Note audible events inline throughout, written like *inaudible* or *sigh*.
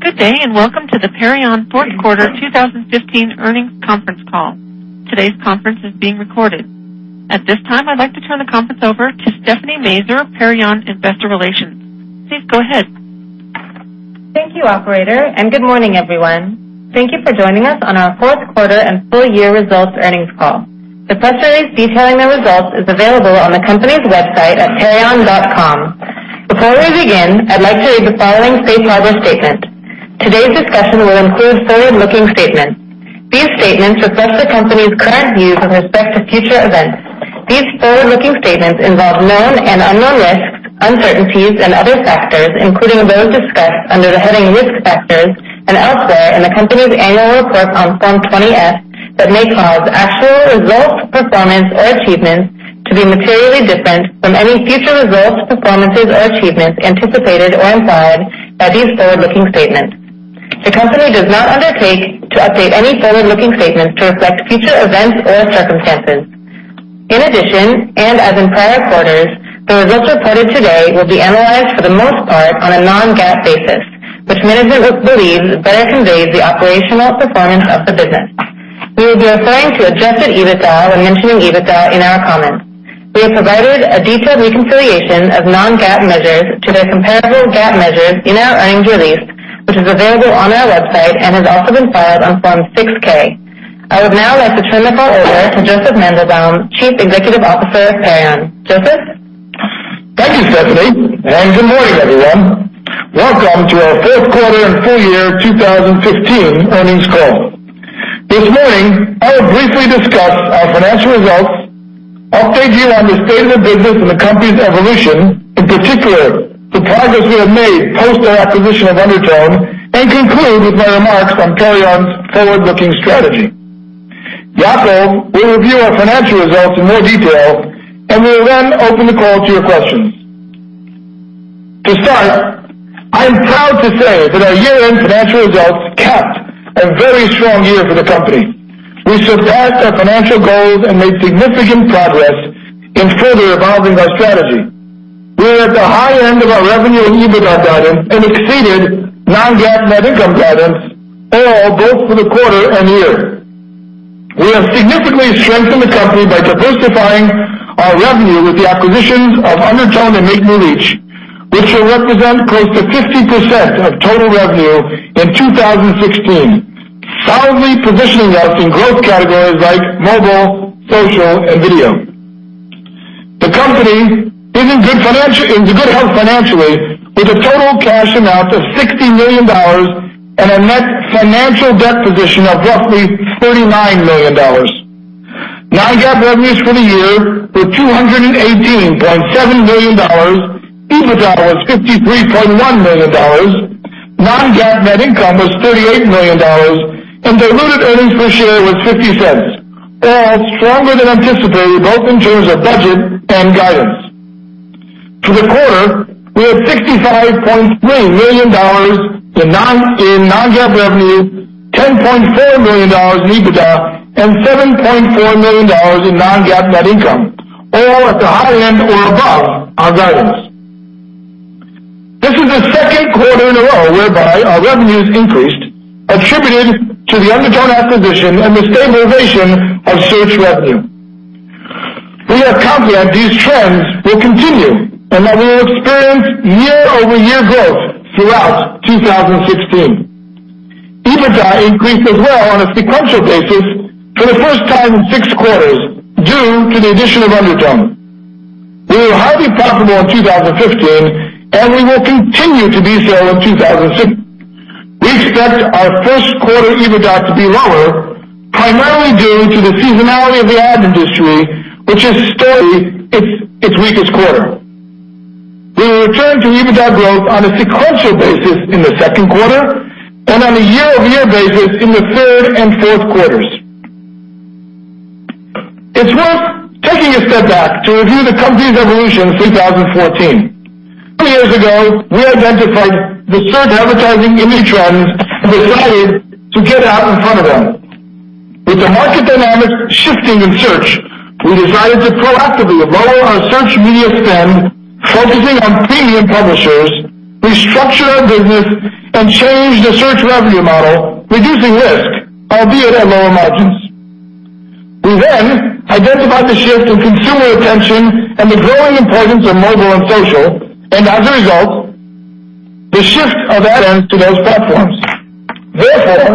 Good day, welcome to the Perion fourth quarter 2015 earnings conference call. Today's conference is being recorded. At this time, I'd like to turn the conference over to Stephanie Mazer, Perion Investor Relations. Please go ahead. Thank you, operator, good morning, everyone. Thank you for joining us on our fourth quarter and full year results earnings call. The press release detailing the results is available on the company's website at perion.com. Before we begin, I'd like to read the following safe harbor statement. Today's discussion will include forward-looking statements. These statements reflect the company's current views with respect to future events. These forward-looking statements involve known and unknown risks, uncertainties, and other factors, including those discussed under the heading Risk Factors and elsewhere in the company's annual report on Form 20-F that may cause actual results, performance, or achievements to be materially different from any future results, performances, or achievements anticipated or implied by these forward-looking statements. The company does not undertake to update any forward-looking statements to reflect future events or circumstances. In addition, as in prior quarters, the results reported today will be analyzed for the most part on a non-GAAP basis, which management believes better conveys the operational performance of the business. We will be referring to adjusted EBITDA when mentioning EBITDA in our comments. We have provided a detailed reconciliation of non-GAAP measures to their comparable GAAP measures in our earnings release, which is available on our website and has also been filed on Form 6-K. I would now like to turn the call over to Josef Mandelbaum, Chief Executive Officer of Perion. Josef? Thank you, Stephanie, good morning, everyone. Welcome to our fourth quarter and full year 2015 earnings call. This morning, I will briefly discuss our financial results, update you on the state of the business and the company's evolution, in particular, the progress we have made post our acquisition of Undertone, and conclude with my remarks on Perion's forward-looking strategy. Yacov will review our financial results in more detail, we will then open the call to your questions. To start, I'm proud to say that our year-end financial results capped a very strong year for the company. We surpassed our financial goals and made significant progress in further evolving our strategy. We are at the high end of our revenue and EBITDA guidance and exceeded non-GAAP net income guidance, all both for the quarter and year. We have significantly strengthened the company by diversifying our revenue with the acquisitions of Undertone and MakeMeReach, which will represent close to 50% of total revenue in 2016, solidly positioning us in growth categories like mobile, social, and video. The company is in good health financially, with a total cash amount of $60 million and a net financial debt position of roughly $39 million. Non-GAAP revenues for the year were $218.7 million, EBITDA was $53.1 million, non-GAAP net income was $38 million, and diluted earnings per share was $0.50, all stronger than anticipated, both in terms of budget and guidance. For the quarter, we had $65.3 million in non-GAAP revenue, $10.4 million in EBITDA, and $7.4 million in non-GAAP net income, all at the high end or above our guidance. This is the second quarter in a row whereby our revenues increased, attributed to the Undertone acquisition and the stabilization of search revenue. We are confident these trends will continue and that we will experience year-over-year growth throughout 2016. EBITDA increased as well on a sequential basis for the first time in six quarters due to the addition of Undertone. We were highly profitable in 2015, and we will continue to be so in 2016. We expect our first quarter EBITDA to be lower, primarily due to the seasonality of the ad industry, which is still its weakest quarter. We will return to EBITDA growth on a sequential basis in the second quarter and on a year-over-year basis in the third and fourth quarters. It's worth taking a step back to review the company's evolution in 2014. Two years ago, we identified the search advertising industry trends and decided to get out in front of them. With the market dynamics shifting in search, we decided to proactively lower our search media spend, focusing on premium publishers, restructure our business, and change the search revenue model, reducing risk, albeit at lower margins. We then identified the shift in consumer attention and the growing importance of mobile and social, and as a result, the shift of ad spend to those platforms. Therefore,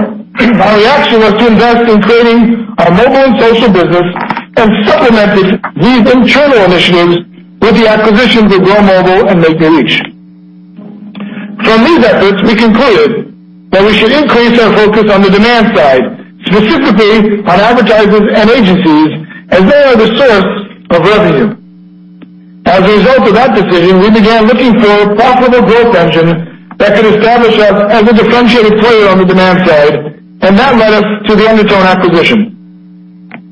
our reaction was to invest in creating our mobile and social business and supplemented these internal initiatives with the acquisitions of GrowMobile and MakeMeReach. From these efforts, we concluded that we should increase our focus on the demand side, specifically on advertisers and agencies, as they are the source of revenue. As a result of that decision, we began looking for a profitable growth engine that could establish us as a differentiated player on the demand side, and that led us to the Undertone acquisition.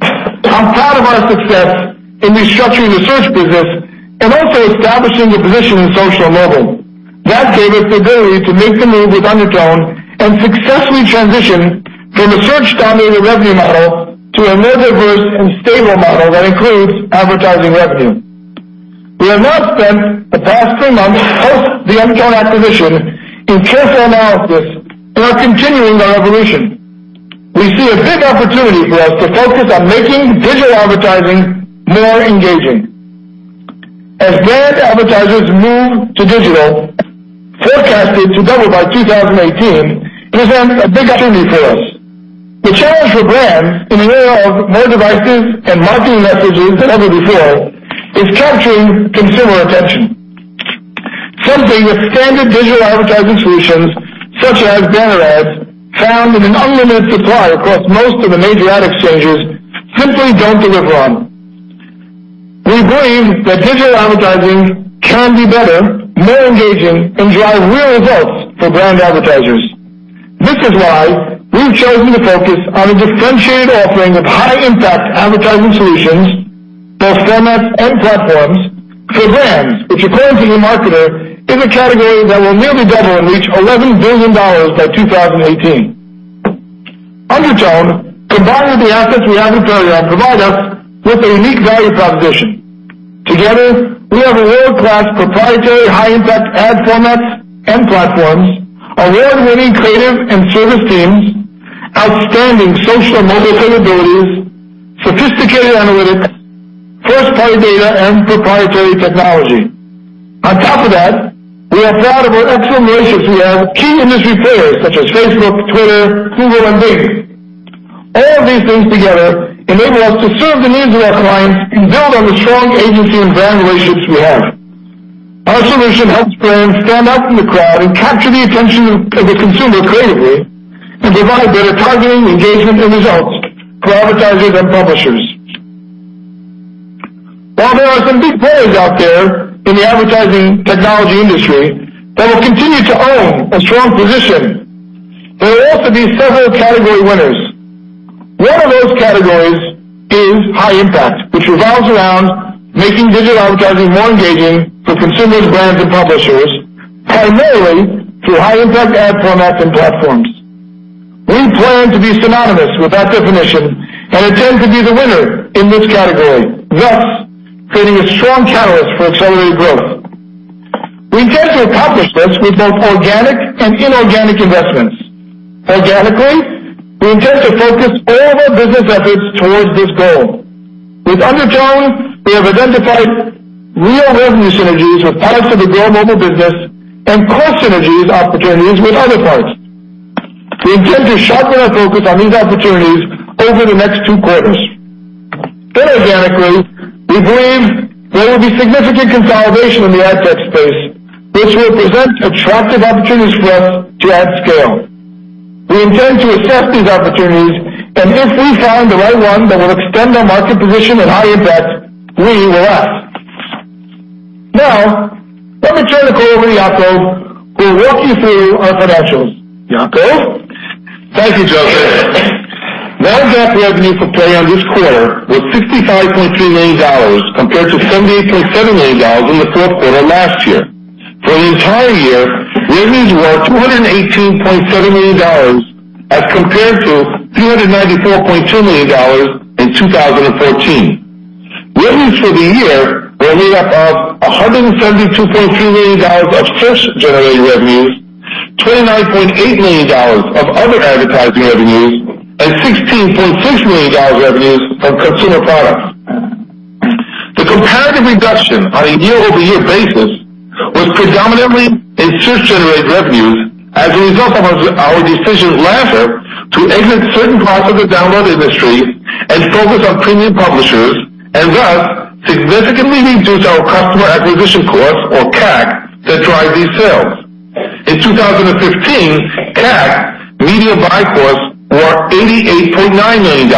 I'm proud of our success in restructuring the search business and also establishing a position in social and mobile. That gave us the ability to make the move with Undertone and successfully transition from a search-dominated revenue model to a more diverse and stable model that includes advertising revenue. We have now spent the past three months post the Undertone acquisition in careful analysis and are continuing our evolution. We see a big opportunity for us to focus on making digital advertising more engaging. As brand advertisers move to digital, forecasted to double by 2018, it presents a big opportunity for us. The challenge for brands in the era of more devices and marketing messages than ever before is capturing consumer attention. Something that standard digital advertising solutions, such as banner ads, found in an unlimited supply across most of the major ad exchanges, simply don't deliver on. We believe that digital advertising can be better, more engaging, and drive real results for brand advertisers. This is why we've chosen to focus on a differentiated offering of high-impact advertising solutions, both formats and platforms, for brands, which according to eMarketer, is a category that will nearly double and reach $11 billion by 2018. Undertone, combined with the assets we have at Perion, provide us with a unique value proposition. Together, we have world-class proprietary high-impact ad formats and platforms, award-winning creative and service teams, outstanding social mobile capabilities, sophisticated analytics, first-party data, and proprietary technology. Top of that, we are proud of our excellent relations we have with key industry players such as Facebook, Twitter, Google, and Bing. All of these things together enable us to serve the needs of our clients and build on the strong agency and brand relationships we have. Our solution helps brands stand out from the crowd and capture the attention of the consumer creatively and provide better targeting, engagement, and results for advertisers and publishers. While there are some big players out there in the advertising technology industry that will continue to own a strong position, there will also be several category winners. One of those categories is high-impact, which revolves around making digital advertising more engaging for consumers, brands, and publishers, primarily through high-impact ad formats and platforms. We plan to be synonymous with that definition and intend to be the winner in this category, thus creating a strong catalyst for accelerated growth. We intend to accomplish this with both organic and inorganic investments. Organically, we intend to focus all of our business efforts towards this goal. With Undertone, we have identified real revenue synergies with parts of the GrowMobile business and cost synergies opportunities with other parts. We intend to sharpen our focus on these opportunities over the next two quarters. Inorganically, we believe there will be significant consolidation in the ad tech space, which will present attractive opportunities for us to add scale. We intend to assess these opportunities, and if we find the right one that will extend our market position and high-impact, we will act. Now, let me turn the call over to Yacov who will walk you through our financials. Yacov? Thank you, Josef. Non-GAAP revenue for Perion this quarter was $65.3 million compared to $78.7 million in the fourth quarter last year. For the entire year, revenues were $218.7 million as compared to $294.2 million in 2014. Revenues for the year were made up of $172.3 million of search-generated revenues, $29.8 million of other advertising revenues, and $16.6 million revenues from consumer products. The comparative reduction on a year-over-year basis was predominantly in search-generated revenues as a result of our decision last year to exit certain parts of the download industry and focus on premium publishers and thus significantly reduce our customer acquisition cost, or CAC, that drive these sales. In 2015, CAC, media buy costs were $88.9 million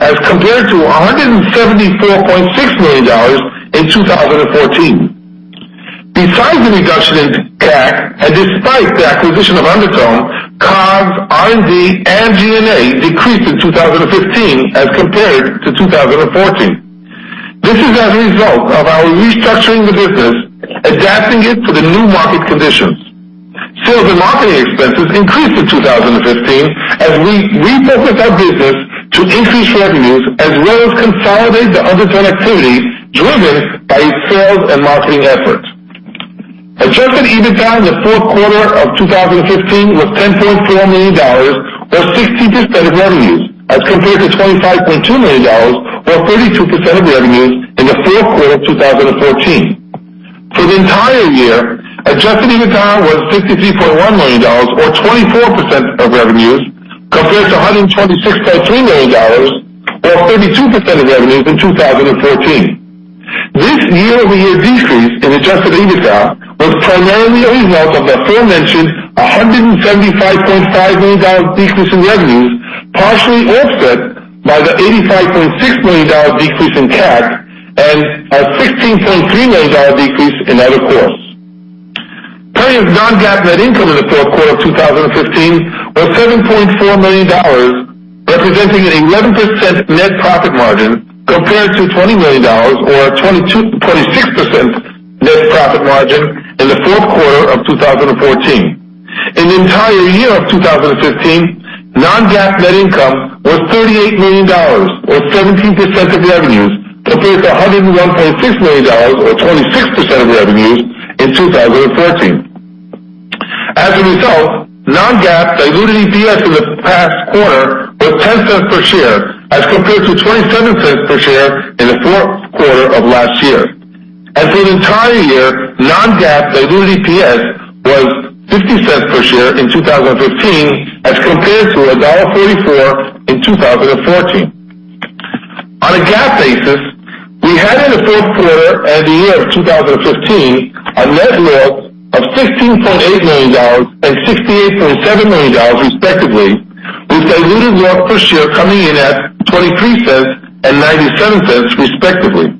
as compared to $174.6 million in 2014. Besides the reduction in CAC and despite the acquisition of Undertone, COGS, R&D, and G&A decreased in 2015 as compared to 2014. This is as a result of our restructuring the business, adapting it to the new market conditions. Sales and marketing expenses increased in 2015 as we refocused our business to increase revenues as well as consolidate the Undertone activities driven by its sales and marketing efforts. Adjusted EBITDA in the fourth quarter of 2015 was $10.4 million or 16% of revenues, as compared to $25.2 million or 32% of revenues in the fourth quarter of 2014. For the entire year, adjusted EBITDA was $53.1 million or 24% of revenues, compared to $126.3 million or 32% of revenues in 2014. This year-over-year decrease in adjusted EBITDA was primarily a result of the aforementioned $75.5 million decrease in revenues, partially offset by the $85.6 million decrease in CAC and a $16.3 million decrease in other costs. Perion's non-GAAP net income in the fourth quarter of 2015 was $7.4 million, representing an 11% net profit margin compared to $20 million or 26% net profit margin in the fourth quarter of 2014. In the entire year of 2015, non-GAAP net income was $38 million or 17% of revenues compared to $101.6 million or 26% of revenues in 2014. As a result, non-GAAP diluted EPS in the past quarter was $0.10 per share as compared to $0.27 per share in the fourth quarter of last year. For the entire year, non-GAAP diluted EPS was $0.50 per share in 2015 as compared to $1.34 in 2014. On a GAAP basis, we had in the fourth quarter and the year of 2015 a net loss of $16.8 million and $68.7 million, respectively, with diluted loss per share coming in at $0.23 and $0.97 respectively.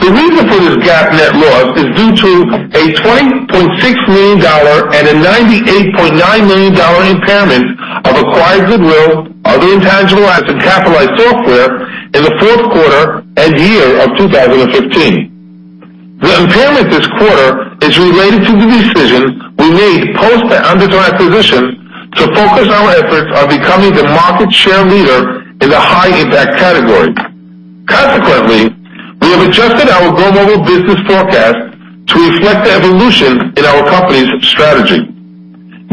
The reason for this GAAP net loss is due to a $20.6 million and a $98.9 million impairment of acquired goodwill, other intangible asset capitalized software in the fourth quarter and year of 2015. The impairment this quarter is related to the decision we made post the Undertone acquisition to focus our efforts on becoming the market share leader in the high-impact category. Consequently, we have adjusted our GrowMobile business forecast to reflect the evolution in our company's strategy.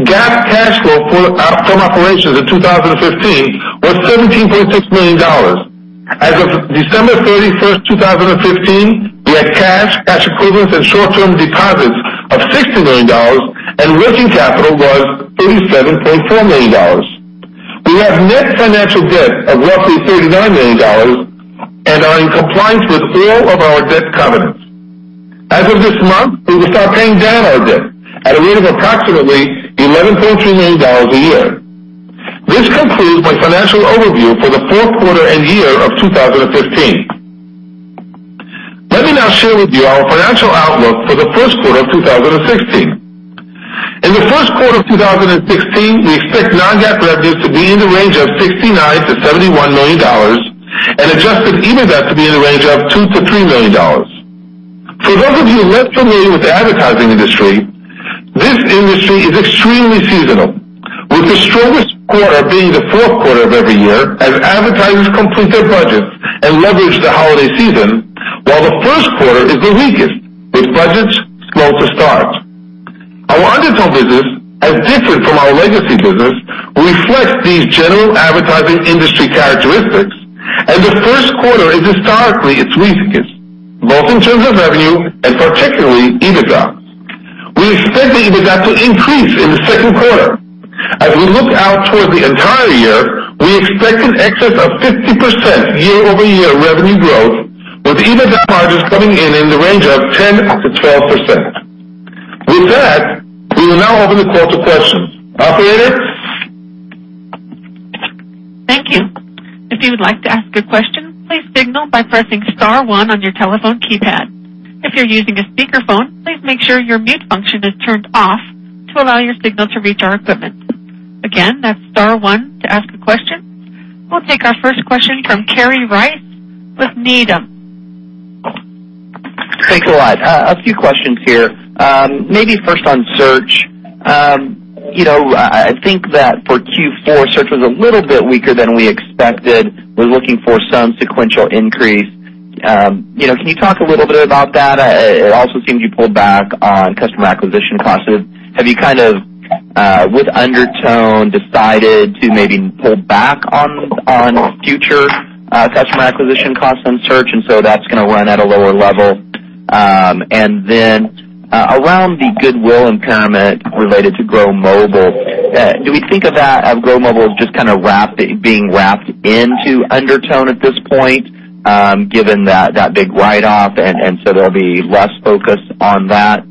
GAAP cash flow from operations in 2015 was $17.6 million. As of December 31st, 2015, we had cash equivalents, and short-term deposits of $60 million, and working capital was $37.4 million. We have net financial debt of roughly $39 million and are in compliance with all of our debt covenants. As of this month, we will start paying down our debt at a rate of approximately $11.3 million a year. This concludes my financial overview for the fourth quarter and year of 2015. Let me now share with you our financial outlook for the first quarter of 2016. In the first quarter of 2016, we expect non-GAAP revenues to be in the range of $69 million-$71 million, and adjusted EBITDA to be in the range of $2 million-$3 million. For those of you less familiar with the advertising industry, this industry is extremely seasonal, with the strongest quarter being the fourth quarter of every year as advertisers complete their budgets and leverage the holiday season, while the first quarter is the weakest with budgets slow to start. Our Undertone business, as different from our legacy business, reflects these general advertising industry characteristics, and the first quarter is historically its weakest, both in terms of revenue and particularly EBITDA. We expect the EBITDA to increase in the second quarter. As we look out toward the entire year, we expect an excess of 50% year-over-year revenue growth with EBITDA margins coming in in the range of 10%-12%. With that, we will now open the call to questions. Operator? Thank you. If you would like to ask a question, please signal by pressing star one on your telephone keypad. If you're using a speakerphone, please make sure your mute function is turned off to allow your signal to reach our equipment. Again, that's star one to ask a question. We'll take our first question from Kerry Rice with Needham. Thanks a lot. A few questions here. Maybe first on search. I think that for Q4, search was a little bit weaker than we expected. We're looking for some sequential increase. Can you talk a little bit about that? It also seems you pulled back on customer acquisition costs. Have you, with Undertone, decided to maybe pull back on future customer acquisition costs on search? That's going to run at a lower level. Around the goodwill impairment related to GrowMobile, do we think of that as GrowMobile just being wrapped into Undertone at this point given that big write-off? There'll be less focus on that.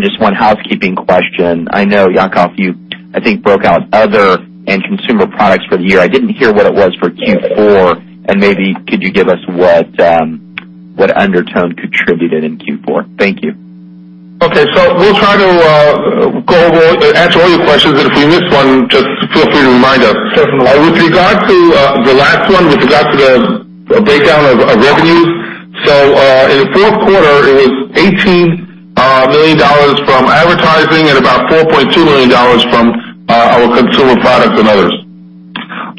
Just one housekeeping question. I know, Yacov, you, I think, broke out other end consumer products for the year. I didn't hear what it was for Q4. Maybe could you give us what Undertone contributed in Q4? Thank you. Okay. We'll try to answer all your questions, but if we miss one, just feel free to remind us. Certainly. With regard to the last one, with regard to the breakdown of revenues. In the fourth quarter, it was $18 million from advertising and about $4.2 million from our consumer products and others.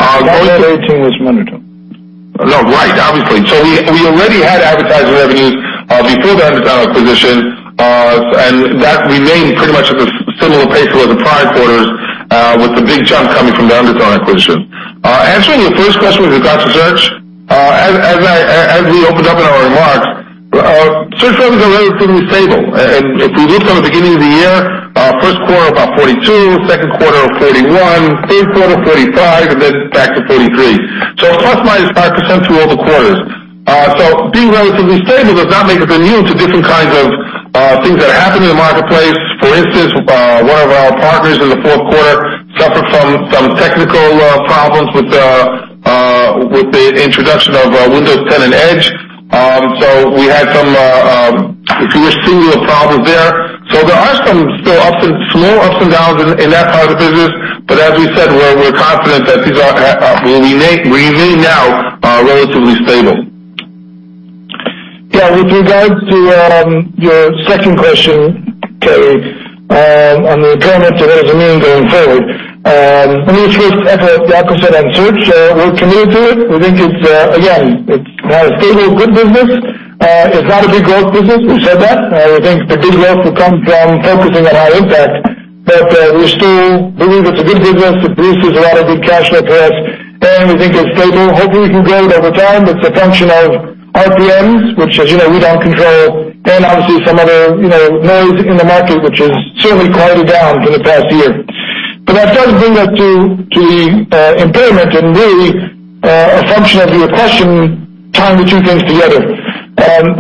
All of the 18 was. *inaudible* No, right. Obviously. We already had advertising revenues before the Undertone acquisition, and that remained pretty much at the similar pace for the prior quarters, with the big jump coming from the Undertone acquisition. Answering your first question with regards to search. As we opened up in our remarks, search revenues are relatively stable. If we look from the beginning of the year, first quarter about $42, second quarter $41, third quarter $45, and then back to $43. Plus/minus 5% through all the quarters. Being relatively stable does not make it immune to different kinds of things that are happening in the marketplace. For instance, one of our partners in the fourth quarter suffered some technical problems with the introduction of Windows 10 and Edge. We had some, if you wish, singular problems there. There are some still small ups and downs in that part of the business. As we said, we're confident that we remain now relatively stable. Yeah. With regards to your second question, Kerry, on the impairment and where's it moving going forward. An initial effort, Yacov said on search, we're committed to it. We think, again, it's a stable, good business. It's not a big growth business. We said that. We think the big growth will come from focusing on high-impact. We still believe it's a good business. It produces a lot of good cash flow for us, and we think it's stable. Hopefully, we can grow it over time. It's a function of RPMs, which, as you know, we don't control, and obviously some other noise in the market, which has certainly quieted down from the past year. That does bring us to the impairment and really a function of your question, tying the two things together.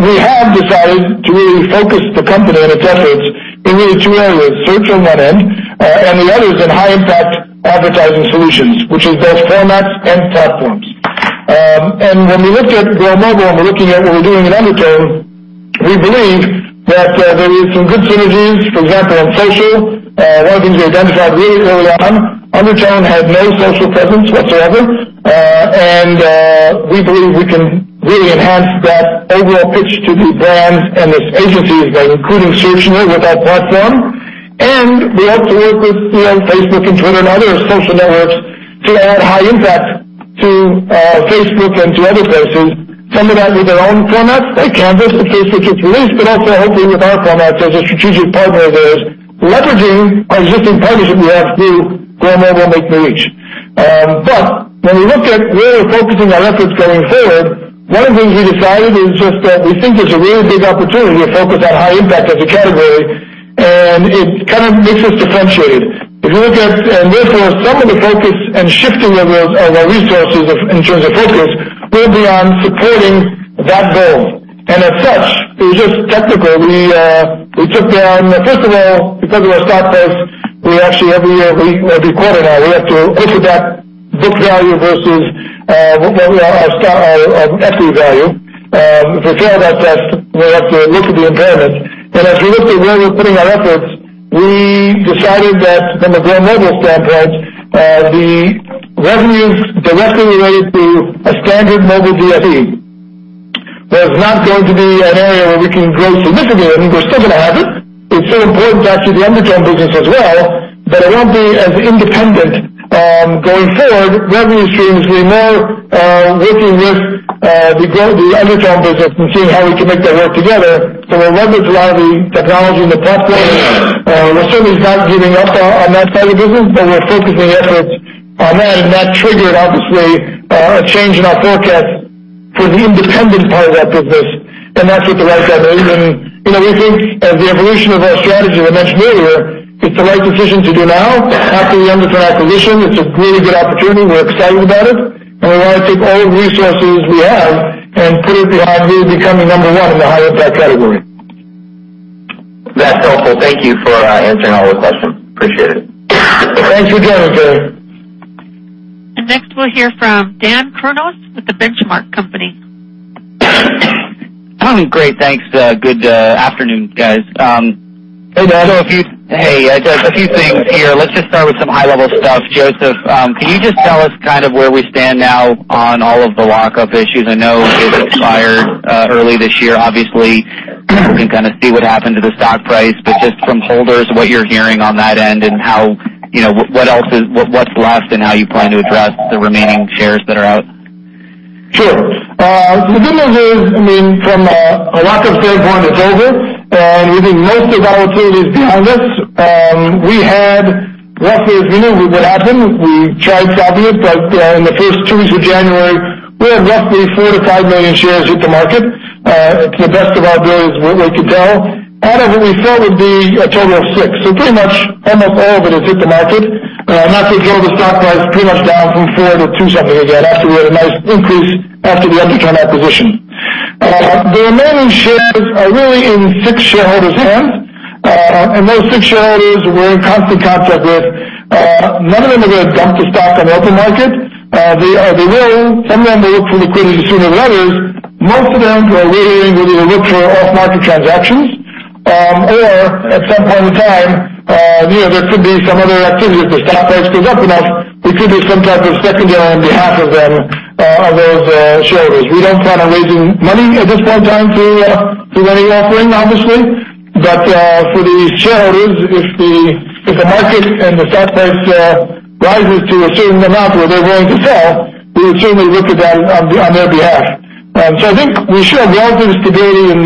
We have decided to really focus the company and its efforts in really two areas, search on one end, and the other is in high-impact advertising solutions, which is both formats and platforms. When we looked at GrowMobile and we're looking at what we're doing in Undertone, we believe that there is some good synergies, for example, on social. One of the things we identified really early on, Undertone had no social presence whatsoever. We believe we can really enhance that overall pitch to the brands and those agencies by including search in it with our platform. We hope to work with Facebook and Twitter and other social networks to add high-impact to Facebook and to other places, some of that with their own formats, like Canvas that Facebook just released, but also hopefully with our formats as a strategic partner of theirs, leveraging our existing partnership we have through GrowMobile MakeMeReach. When we looked at where we're focusing our efforts going forward, one of the things we decided is just that we think there's a really big opportunity to focus on high-impact as a category, and it kind of makes us differentiated. Therefore, some of the focus and shifting of our resources in terms of focus will be on supporting that goal. As such, it was just technical. First of all, because of our stock price, we actually every quarter now, we have to look at that book value versus our equity value. To tell about that, we have to look at the impairment. As we looked at where we're putting our efforts, we decided that from a GrowMobile standpoint, the revenues directly related to a standard mobile GFE was not going to be an area where we can grow significantly. I mean, we're still going to have it. It's so important to actually the Undertone business as well, but it won't be as independent going forward. Revenue streams will be more working with the Undertone business and seeing how we can make that work together. We're leveraging a lot of the technology and the platform. We're certainly not giving up on that side of the business, but we're focusing efforts on that, and that triggered, obviously, a change in our forecast for the independent part of that business. That's what the write-down is. We think as the evolution of our strategy we mentioned earlier, it's the right decision to do now after the Undertone acquisition. It's a really good opportunity. We're excited about it, and we want to take all the resources we have and put it behind really becoming number one in the high-impact category. That's helpful. Thank you for answering all those questions. Appreciate it. Thanks again, Kerry. Next, we'll hear from Daniel Kurnos with The Benchmark Company. Great. Thanks. Good afternoon, guys. Hey, Dan. Hey, a few things here. Let's just start with some high-level stuff. Josef, can you just tell us kind of where we stand now on all of the lock-up issues? I know it expired early this year. Obviously, we can kind of see what happened to the stock price. Just from holders, what you're hearing on that end and what's left and how you plan to address the remaining shares that are out? Sure. The good news is, from a lock-up standpoint, it's over. We think most of our opportunity is behind us. Roughly, as you know what happened, we tried to have it, but in the first two weeks of January, we had roughly 4 million-5 million shares hit the market to the best of our ability, what we could tell, out of what we thought would be a total of six. Pretty much almost all of it has hit the market, and that's what drove the stock price pretty much down from $4 to $2 something again, after we had a nice increase after the Undertone acquisition. The remaining shares are really in six shareholders' hands. Those six shareholders we're in constant contact with. None of them are going to dump the stock on the open market. Some of them will look for liquidity sooner or later. Most of them are waiting. We'll either look for off-market transactions. At some point in time, there could be some other activity. If the stock price goes up enough, we could do some type of secondary on behalf of those shareholders. We don't plan on raising money at this point in time through any offering, obviously. For these shareholders, if the market and the stock price rises to a certain amount where they're willing to sell, we would certainly look at that on their behalf. I think we should have relative stability in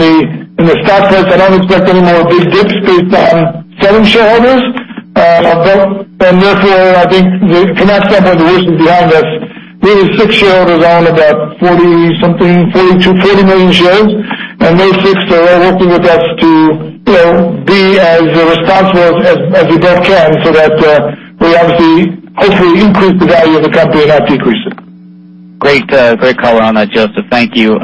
the stock price. I don't expect any more big dips based on selling shareholders. Therefore, I think the maxed out resolution is behind us. We have six shareholders own about 40 something, 42 million, 40 million shares, and those six are all working with us to be as responsible as we both can so that we obviously, hopefully, increase the value of the company and not decrease it. Great color on that, Josef. Thank you.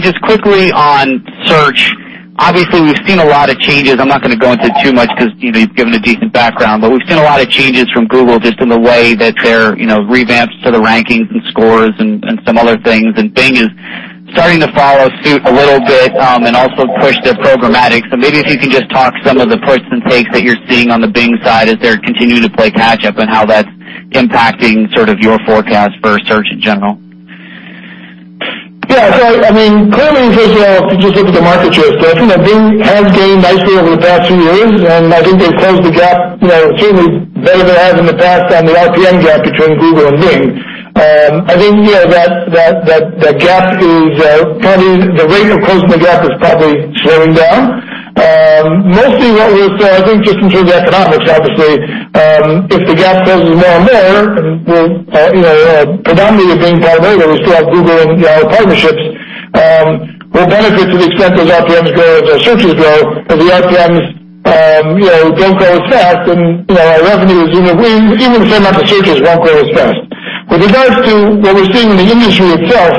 Just quickly on search. Obviously, we've seen a lot of changes. I'm not going to go into too much because you've given a decent background. We've seen a lot of changes from Google just in the way that they're revamps to the rankings and scores and some other things. Bing is starting to follow suit a little bit and also push their programmatic. Maybe if you can just talk some of the push and takes that you're seeing on the Bing side as they're continuing to play catch up and how that's impacting your forecast for search in general? Clearly, first of all, if you just look at the market share split, Bing has gained nicely over the past few years, and I think they've closed the gap, certainly better than it has in the past, on the RPM gap between Google and Bing. I think that the rate of closing the gap is probably slowing down. Mostly what we saw, I think just in terms of economics, obviously, if the gap closes more and more, predominantly with Bing primarily, we still have Google and our partnerships, we'll benefit to the extent those RPMs grow as our searches grow. If the RPMs don't grow as fast, then our revenues, even the same amount of searches, won't grow as fast. With regards to what we're seeing in the industry itself,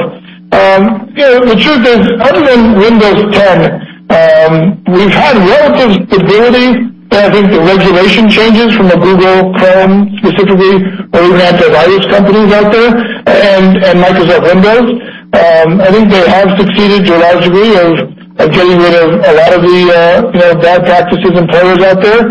the truth is, other than Windows 10, we've had relative stability. I think the regulation changes from a Google Chrome specifically, or even antivirus companies out there, and Microsoft Windows, I think they have succeeded to a large degree of getting rid of a lot of the bad practices and players out there.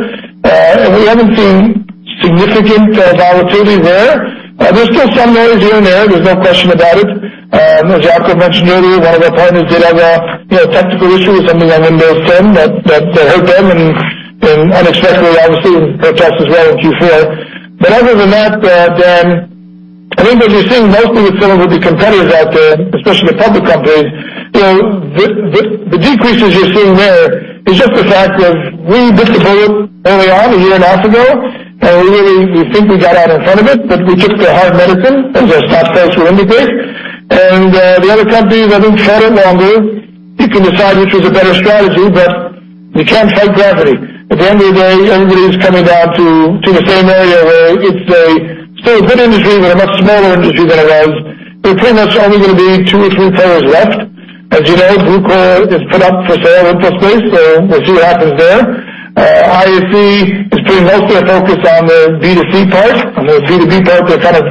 We haven't seen significant volatility there. There's still some noise here and there's no question about it. As Yacov mentioned earlier, one of our partners did have a technical issue with something on Windows 10 that hurt them, and unexpectedly, obviously, hurt us as well in Q4. But other than that, I think as you're seeing mostly with some of the competitors out there, especially the public companies, the decreases you're seeing there is just the fact of we bit the bullet early on, a year and a half ago. We really, we think we got out in front of it, but we took the hard medicine, as our stock price will indicate. The other companies, I think, fought it longer. You can decide which was a better strategy, but you can't fight gravity. At the end of the day, everybody's coming down to the same area, where it's still a good industry, but a much smaller industry than it was. There are pretty much only going to be two or three players left. As you know, BlueKai is put up for sale in full space, so we'll see what happens there. IAC is putting mostly a focus on the B2C part. On their B2B part, they're kind of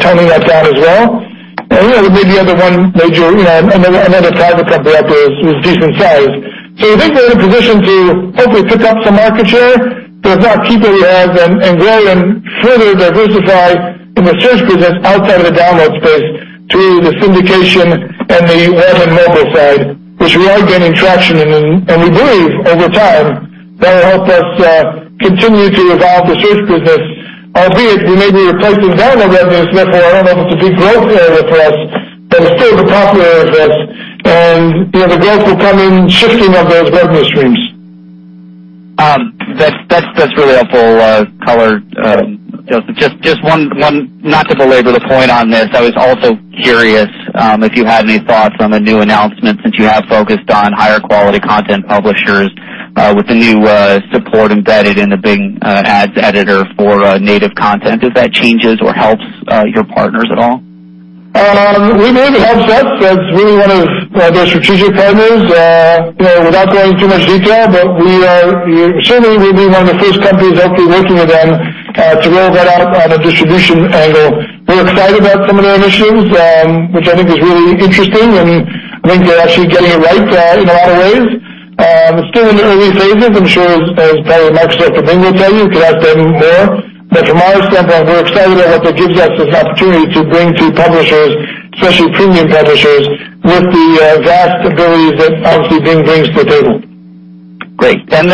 toning that down as well. Really, maybe the other one major, another private company out there who's decent sized. So we think we're in a position to hopefully pick up some market share, but if not, keep what we have and grow and further diversify in the search business outside of the download space through the syndication and the web and mobile side, which we are gaining traction in. We believe, over time, that'll help us continue to evolve the search business. Albeit, we may be replacing download revenues, therefore an unable to be growth area for us, but it's still a profitable area for us. The growth will come in shifting of those revenue streams. That's really helpful color, Josef. Not to belabor the point on this, I was also curious if you had any thoughts on the new announcement since you have focused on higher-quality content publishers, with the new support embedded in the Bing Ads Editor for native content. If that changes or helps your partners at all? We believe it helps us, as really one of their strategic partners. Without going into too much detail, certainly, we'd be one of the first companies hopefully working with them, to roll that out on a distribution angle. We're excited about some of their initiatives, which I think is really interesting, and I think they're actually getting it right in a lot of ways. It's still in the early phases, I'm sure as probably Microsoft or Bing will tell you, could ask them more. From our standpoint, we're excited at what that gives us, this opportunity to bring to publishers, especially premium publishers, with the vast abilities that obviously Bing brings to the table. Great. Then,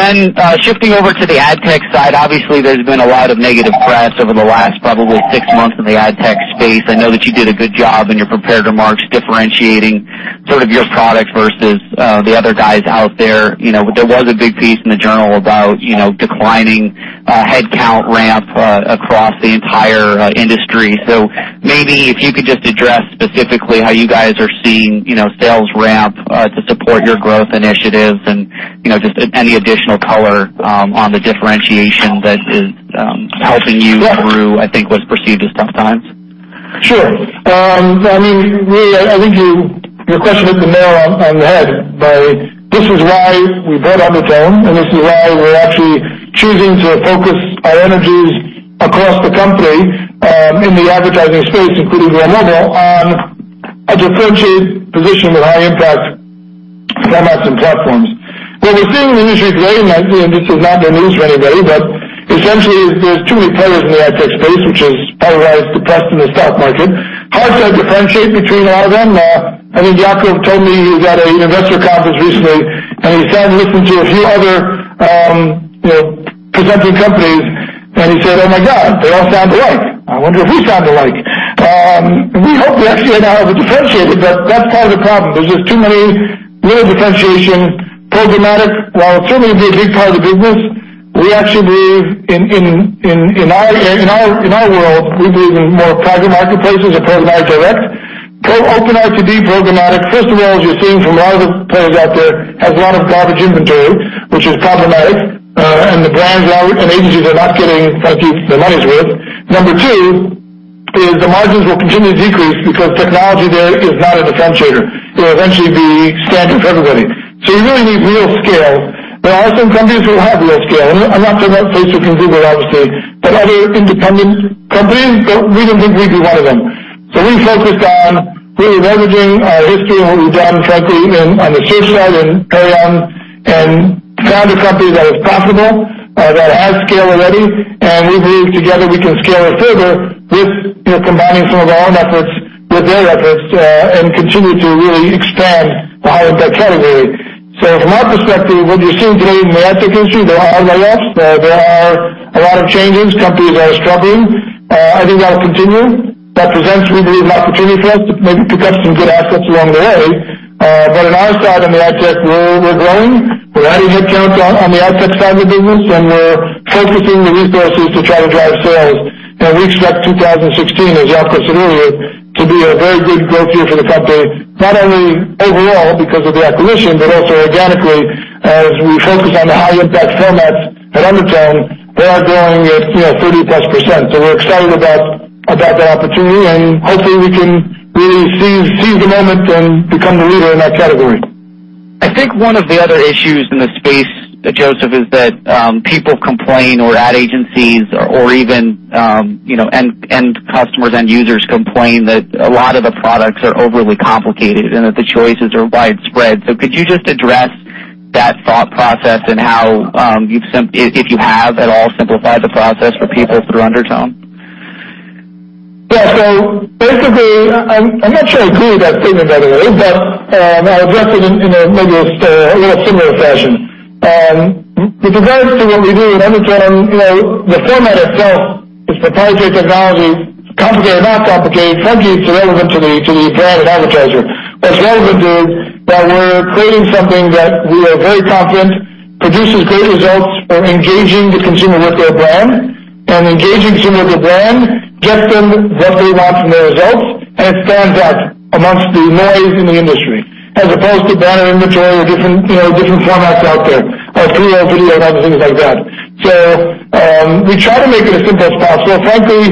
shifting over to the ad tech side, obviously, there's been a lot of negative press over the last probably six months in the ad tech space. I know that you did a good job in your prepared remarks differentiating your product versus the other guys out there. There was a big piece in the journal about declining headcount ramp across the entire industry. Maybe if you could just address specifically how you guys are seeing sales ramp to support your growth initiatives and just any additional color on the differentiation that is helping you through, I think, what's perceived as tough times. Sure. I think your question hit the nail on the head by this is why we bought Undertone. This is why we're actually choosing to focus our energies across the company, in the advertising space, including mobile, on a differentiated position with high-impact formats and platforms. What we're seeing in the industry very nicely, this is not new news for anybody, essentially, there's too many players in the ad tech space, which is part of why it's depressed in the stock market. Hard to differentiate between a lot of them. I think Yacov told me he was at an investor conference recently, he sat and listened to a few other presenting companies, he said, "Oh my God, they all sound alike." I wonder if we sound alike. We hope we actually are now differentiated, that's part of the problem. There's just too many, little differentiation, programmatic. While it'll certainly be a big part of the business, we actually believe in our world, we believe in more private marketplaces or personalized direct. OpenRTB programmatic, first of all, as you're seeing from a lot of the players out there, has a lot of garbage inventory, which is problematic. The brands and agencies are not getting, frankly, their money's worth. Number two, is the margins will continue to decrease because technology there is not a differentiator. It will eventually be standard for everybody. You really need real scale. There are some companies who have real scale, and I'm not talking about Facebook and Google, obviously, but other independent companies. We don't think we'd be one of them. We focused on really leveraging our history and what we've done, frankly, on the social, in Perion. Found a company that is profitable, that has scale already, and we believe together we can scale it further with combining some of our own efforts with their efforts, and continue to really expand the high-impact category. From our perspective, what you're seeing today in the ad tech industry, there are layoffs, there are a lot of changes. Companies are struggling. I think that'll continue. That presents, we believe, an opportunity for us to maybe pick up some good assets along the way. On our side, on the ad tech, we're growing. We're adding headcount on the ad tech side of the business, and we're focusing the resources to try to drive sales. We expect 2016, as Yacov said earlier, to be a very good growth year for the company, not only overall because of the acquisition, but also organically as we focus on the high-impact formats at Undertone. They are growing at 30-plus %. We're excited about that opportunity, and hopefully we can really seize the moment and become the leader in that category. I think one of the other issues in the space, Josef, is that people complain, or ad agencies, or even end customers, end users complain that a lot of the products are overly complicated and that the choices are widespread. Could you just address that thought process and how, if you have at all, simplified the process for people through Undertone? Yeah. Basically, I'm not sure I agree with that statement, by the way, I'll address it in maybe a little similar fashion. With regards to what we do in Undertone, the format itself is proprietary technology. Complicated or not complicated, frankly, it's irrelevant to the brand advertiser. What's relevant is that we're creating something that we are very confident produces great results and engaging the consumer with their brand, and engaging consumers with brand, gets them what they want from their results, and it stands out amongst the noise in the industry, as opposed to banner inventory or different formats out there, or pre-roll video and other things like that. We try to make it as simple as possible. Frankly,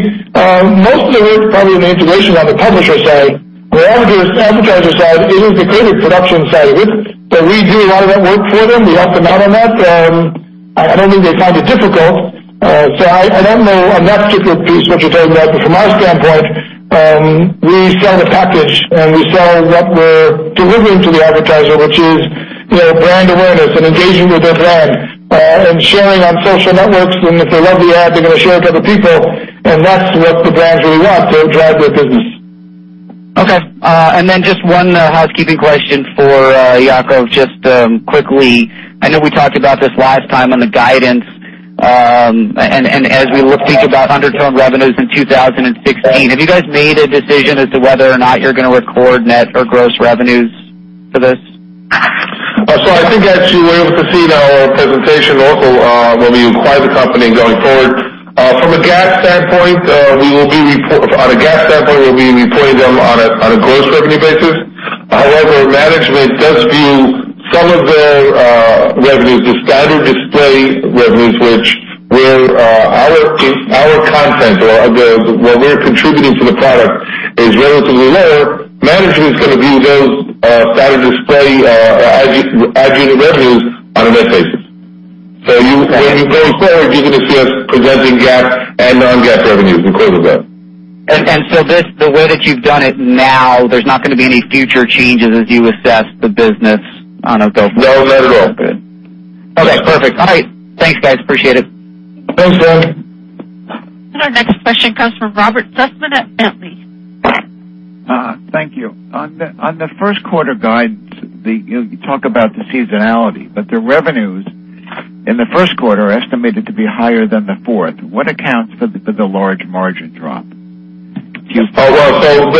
most of the work, probably on the integration on the publisher side or advertiser side, is the creative production side of it. We do a lot of that work for them. We help them out on that. I don't think they find it difficult. I don't know on that particular piece what you're talking about, from our standpoint, we sell the package, and we sell what we're delivering to the advertiser, which is brand awareness and engagement with their brand, and sharing on social networks. If they love the ad, they're going to share it with other people, and that's what the brands really want to drive their business. Okay. Then just one housekeeping question for Yacov, just quickly. I know we talked about this last time on the guidance. As we think about Undertone revenues in 2016, have you guys made a decision as to whether or not you're going to record net or gross revenues for this? I think as you were able to see in our presentation, also when we acquire the company going forward. From a GAAP standpoint, we will be reporting them on a gross revenue basis. However, management does view some of the revenues, the standard display revenues, which where our content or what we're contributing to the product is relatively lower. Management is going to view those standard display or ad unit revenues on a net basis. When you go forward, you're going to see us presenting GAAP and non-GAAP revenues because of that. The way that you've done it now, there's not going to be any future changes as you assess the business on a. No. None at all. Okay, perfect. All right. Thanks, guys. Appreciate it. Thanks, Greg. Our next question comes from Robert Sussman at Bentley. Thank you. On the first quarter guide, you talk about the seasonality, the revenues in the first quarter are estimated to be higher than the fourth. What accounts for the large margin drop? First of all,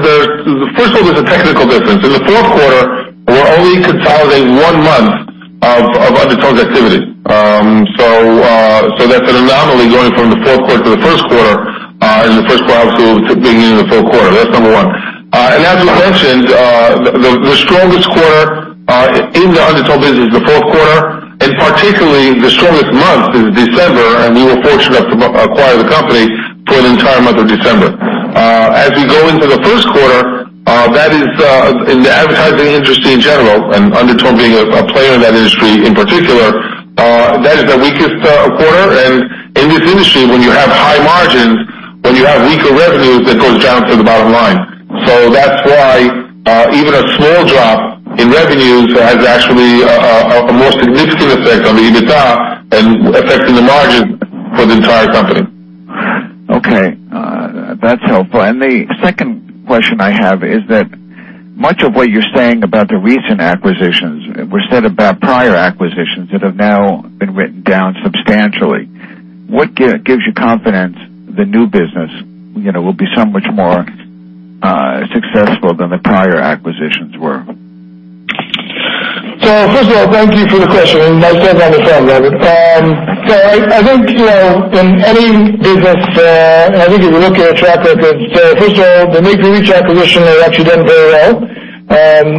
there's a technical difference. In the fourth quarter, we're only consolidating 1 month of Undertone's activity. That's an anomaly going from the fourth quarter to the first quarter, and the first quarter obviously being in the fourth quarter. That's number 1. As we mentioned, the strongest quarter in the Undertone business is the fourth quarter, particularly the strongest month is December, we were fortunate enough to acquire the company for the entire month of December. As we go into the first quarter, in the advertising industry in general, Undertone being a player in that industry in particular, that is the weakest quarter. In this industry, when you have high margins, when you have weaker revenues, that goes down to the bottom line. That's why even a small drop in revenues has actually a more significant effect on the EBITDA and affecting the margin for the entire company. That's helpful. The second question I have is that much of what you're saying about the recent acquisitions were said about prior acquisitions that have now been written down substantially. What gives you confidence the new business will be so much more successful than the prior acquisitions were? First of all, thank you for the question, and my friends on the phone, Robert. I think in any business, and I think if you look at our track record, first of all, the MakeMeReach acquisition has actually done very well.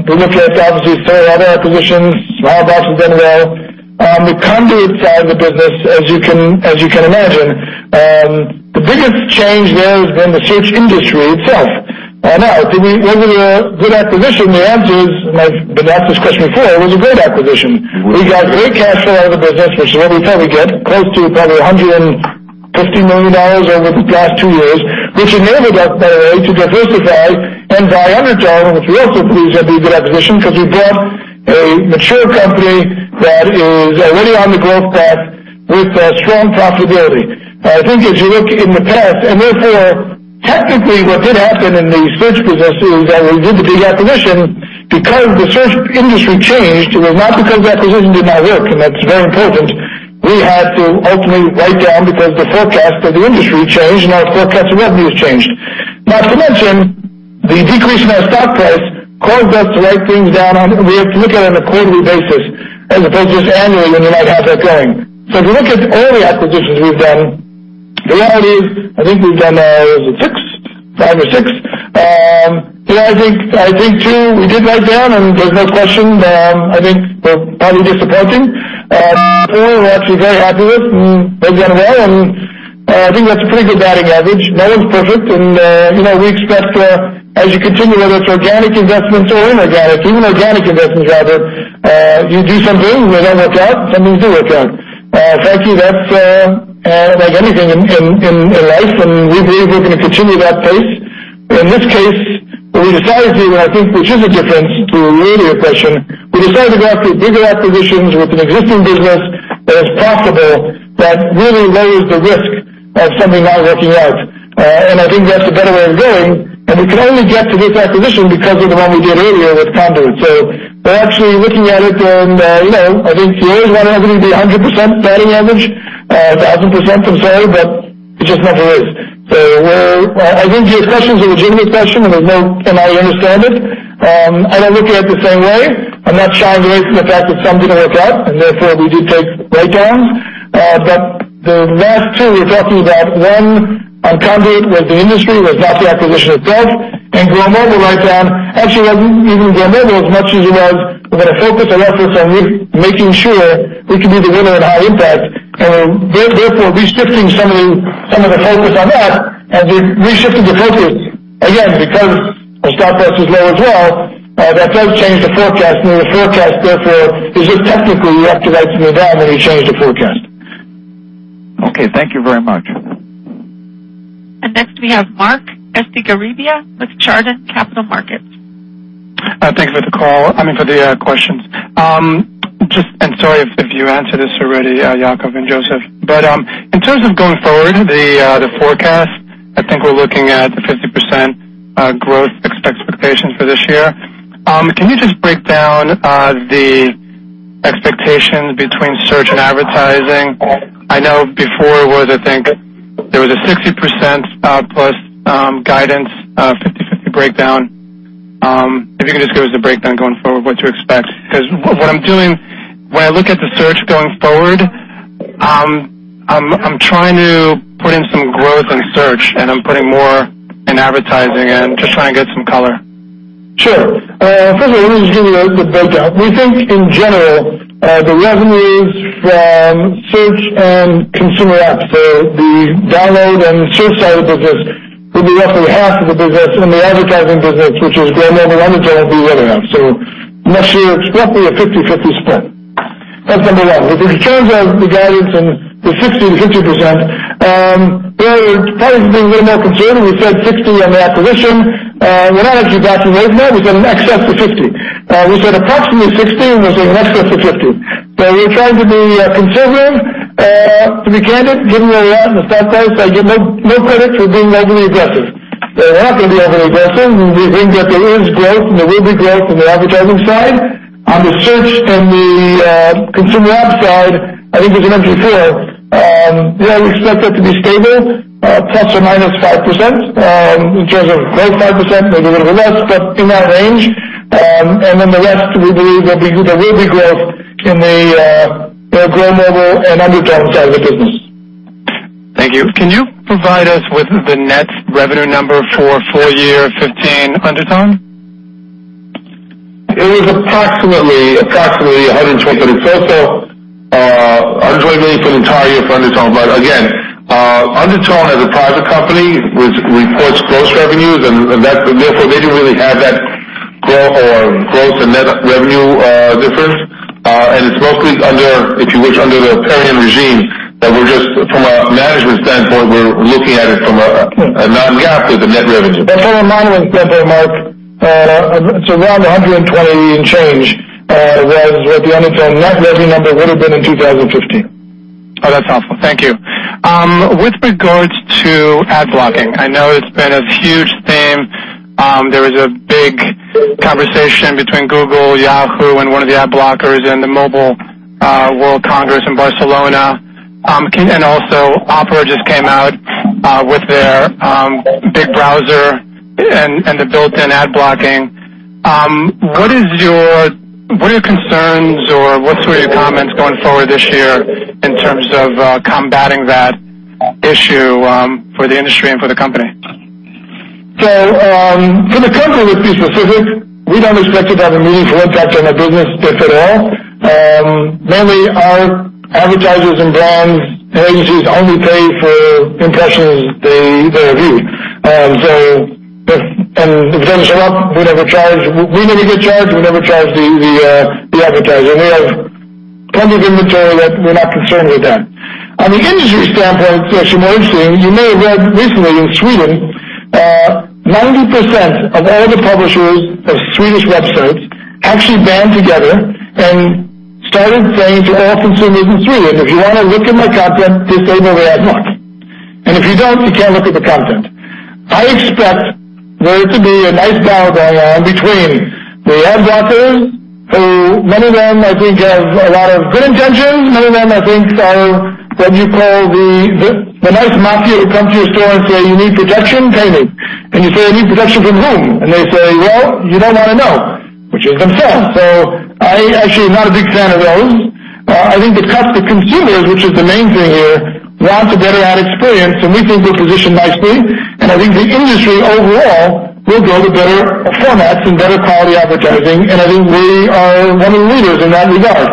We looked at, obviously, three other acquisitions. Hotbar has done well. The Conduit side of the business, as you can imagine, the biggest change there has been the search industry itself. Was it a good acquisition? The answer is, and I've been asked this question before, it was a great acquisition. We got great cash flow out of the business, which is what we thought we'd get, close to probably $150 million over the past two years, which enabled us, by the way, to diversify and buy Undertone, which we also believe will be a good acquisition because we bought a mature company that is already on the growth path with a strong profitability. I think as you look in the past, therefore technically what did happen in the search business is that we did the big acquisition because the search industry changed. It was not because the acquisition did not work, and that's very important. We had to ultimately write down because the forecast of the industry changed, and our forecast of revenues changed. Not to mention, the decrease in our stock price caused us to write things down. We have to look at it on a quarterly basis as opposed to just annually when you might have that going. If you look at all the acquisitions we've done, the reality is I think we've done, what is it, six? Five or six. I think two we did write down, and there's no question, I think they're probably disappointing. Four we're actually very happy with, and they've done well, and I think that's a pretty good batting average. No one's perfect, and we expect as you continue, whether it's organic investments or inorganic. Even organic investments, rather. You do some things that don't work out, some things do work out. Frankly, that's like anything in life, and we believe we're going to continue that pace. In this case, we decided to, I think, which is a difference to your earlier question. We decided to go after bigger acquisitions with an existing business that is profitable, that really lowers the risk of something not working out. I think that's the better way of doing it. We could only get to this acquisition because of the one we did earlier with Conduit. We're actually looking at it, and I think you always want everything to be 100% batting average, 1,000% if I'm sorry, but it just never is. I think your question is a legitimate question, and I understand it. I don't look at it the same way. I'm not shying away from the fact that some didn't work out, and therefore we did take write-downs. The last two we're talking about, one on Conduit, was the industry, was not the acquisition itself. GrowMobile write-down, actually, wasn't even GrowMobile as much as it was, we're going to focus our efforts on making sure we can be the winner in high-impact, and we're therefore reshifted some of the focus on that. We've reshifted the focus, again, because our stock price was low as well. That does change the forecast, and the forecast, therefore, is just technically you have to write something down when you change the forecast. Okay, thank you very much. Next we have Marc Estigarribia with Chardan Capital Markets. Thanks for the call. I mean, for the questions. Sorry if you answered this already, Yacov and Josef. In terms of going forward, the forecast, I think we're looking at the 50% growth expectations for this year. Can you just break down the expectations between search and advertising? I know before it was, I think, there was a 60% plus guidance, 50/50 breakdown. If you could just give us a breakdown going forward, what to expect. What I'm doing when I look at the search going forward, I'm trying to put in some growth in search, and I'm putting more in advertising, and just trying to get some color. Sure. First of all, let me just give you the breakdown. We think, in general, the revenues from search and consumer apps, so the download and the search side of the business, will be roughly half of the business, and the advertising business, which is GrowMobile, Undertone, will be the other half. Next year, it's roughly a 50/50 split. That's number one. In terms of the guidance and the 60 to 50%, we're probably being a little more conservative. We said 60 on the acquisition. We're not actually backing away from that. We said in excess of 50. We said approximately 60, and we're saying in excess of 50. We're trying to be conservative. To be candid, given where we are in the stock price, I get no credit for being overly aggressive. We're not going to be overly aggressive. We think that there is growth and there will be growth on the advertising side. On the search and the consumer app side, I think there's an opportunity there. We expect that to be stable, plus or minus 5%, in terms of growth, 5%, maybe a little bit less, but in that range. The rest, we believe there will be growth in the GrowMobile and Undertone side of the business. Thank you. Can you provide us with the net revenue number for full year 2015 Undertone? It was approximately $120, it's also unregulated for the entire year for Undertone. Again, Undertone as a private company, which reports gross revenues, therefore they didn't really have that growth or gross and net revenue difference. It's mostly, if you wish, under the Perion regime, that from a management standpoint, we're looking at it from a non-GAAP with the net revenue. For the moment, by the way, Marc, it's around $120 and change, was what the Undertone net revenue number would've been in 2015. That's helpful. Thank you. With regards to ad blocking, I know it's been a huge theme. There was a big conversation between Google, Yahoo, and one of the ad blockers in the Mobile World Congress in Barcelona. Also Opera just came out with their big browser and the built-in ad blocking. What are your concerns or what are your comments going forward this year in terms of combating that issue for the industry and for the company? For the company, let's be specific. We don't expect it to have a meaningful impact on our business, if at all. Mainly, our advertisers and brands and agencies only pay for impressions they reviewed. If it doesn't show up, we never get charged, we never charge the advertiser. We have plenty of inventory that we're not concerned with that. On the industry standpoint, as you may have seen, you may have read recently in Sweden, 90% of all the publishers of Swedish websites actually banded together and started saying to all consumers in Sweden, "If you want to look at my content, disable the ad block. If you don't, you can't look at the content." I expect there to be a nice battle going on between the ad blockers, who many of them, I think, have a lot of good intentions. Many of them, I think, are what you call the nice mafia who come to your store and say, "You need protection, pay me." You say, "I need protection from whom?" They say, "Well, you don't want to know," which is themselves. I actually am not a big fan of those. I think the consumers, which is the main thing here, want a better ad experience, we think we're positioned nicely. I think the industry overall will go to better formats and better quality advertising, and I think we are one of the leaders in that regard.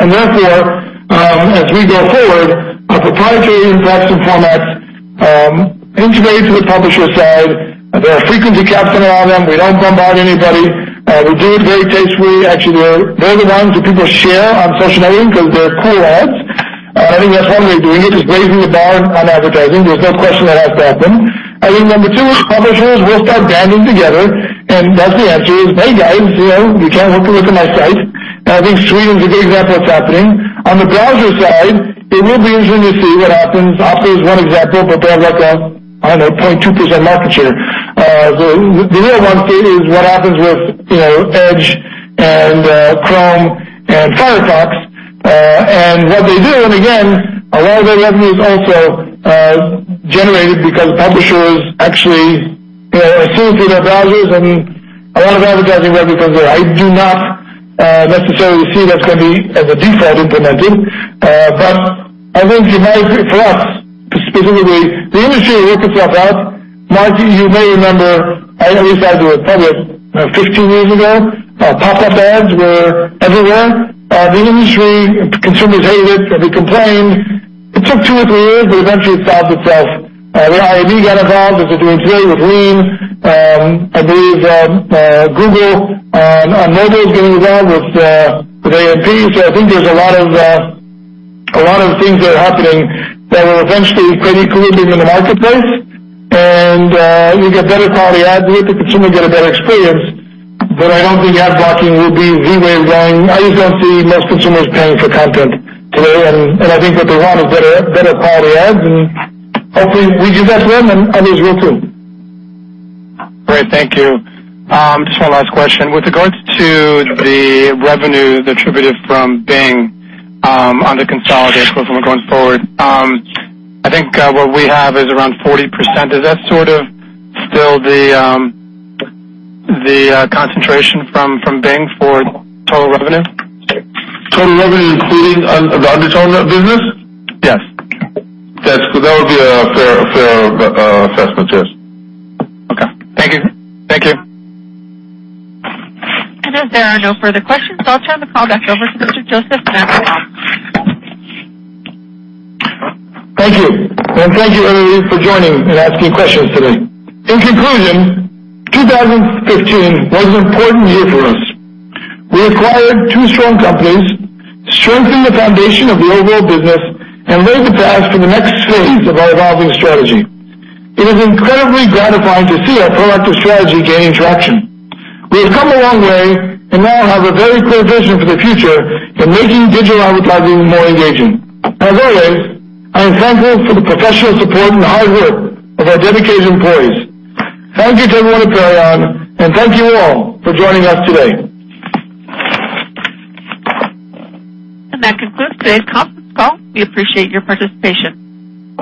Therefore, as we go forward, our proprietary interactive formats integrate to the publisher side. There are frequency caps around them. We don't bombard anybody. We do it very tastefully. Actually, they're the ones that people share on social media because they're cool ads. I think that's one way of doing it, is raising the bar on advertising. There's no question that has to happen. I think number 2, publishers will start banding together, and that's the answer is, "Hey, guys, you can't look at my site." I think Sweden is a good example of what's happening. On the browser side, it will be interesting to see what happens. Opera is one example, but they have like a, I don't know, 0.2% market share. The real one is what happens with Edge and Chrome and Firefox, and what they do. Again, a lot of their revenue is also generated because publishers actually are seen through their browsers and a lot of advertising revenue comes there. I do not necessarily see that's going to be as a default implemented. I think for us specifically, the industry will work itself out. Marc, you may remember, I used to have the Republic 15 years ago, pop-up ads were everywhere. The industry, consumers hated it, they complained. It took two or three years, but eventually it solved itself. The IAB got involved as it did with PREEM. I believe Google on mobile is getting involved with AMP. I think there's a lot of things that are happening that will eventually create equilibrium in the marketplace. You get better quality ads, you get the consumer get a better experience. I don't think ad blocking will be the way we're going. I just don't see most consumers paying for content today. I think what they want is better quality ads, and hopefully we give that to them, and I think we'll soon. Great. Thank you. Just one last question. With regards to the revenue that's attributed from Bing on the consolidated going forward, I think what we have is around 40%. Is that sort of still the concentration from Bing for total revenue? Total revenue including the Undertone business? Yes. That would be a fair assessment, yes. Okay. Thank you. As there are no further questions, I'll turn the call back over to Mr. Josef, now please. Thank you. Thank you, everybody, for joining and asking questions today. In conclusion, 2015 was an important year for us. We acquired two strong companies, strengthened the foundation of the overall business, and laid the path for the next phase of our evolving strategy. It is incredibly gratifying to see our proactive strategy gain traction. We have come a long way and now have a very clear vision for the future in making digital advertising more engaging. As always, I am thankful for the professional support and hard work of our dedicated employees. Thank you to everyone at Perion, and thank you all for joining us today. That concludes today's conference call. We appreciate your participation.